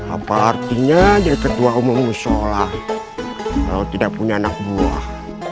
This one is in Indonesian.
apa artinya dia ketua umum musola kalau tidak punya anak buah